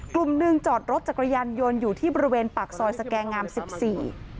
กลุ่มหนึ่งจอดรถจักรยานยนต์อยู่ที่บริเวณปากซอยสแกงามสิบสี่